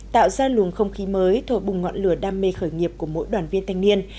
tạo ra luồng không khí mới thổi bùng ngọn lửa đam mê khởi nghiệp của mỗi đoàn viên thanh niên